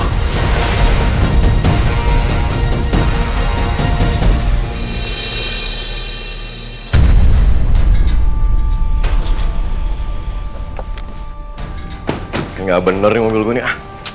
bukin enggak bener nih mobil gue ya